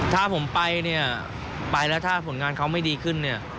ถ้าผมไปเนี่ยไปแล้วถ้าผลงานเขาไม่ดีขึ้นเนี่ย